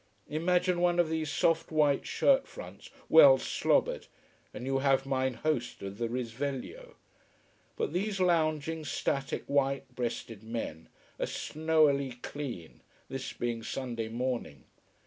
Imagine one of these soft white shirt fronts well slobbered, and you have mine host of the Risveglio. But these lounging, static, white breasted men are snowily clean, this being Sunday morning.